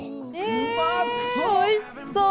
おいしそう！